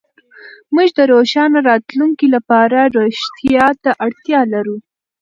موږ د روښانه راتلونکي لپاره رښتيا ته اړتيا لرو.